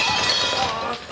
ああ。